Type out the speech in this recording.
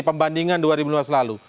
pembandingan dua ribu dua belas lalu